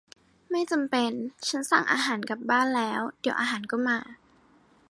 ไม่จำเป็น ฉันสั่งอาหารกลับบ้านแล้ว เดี๋ยวอาหารก็มา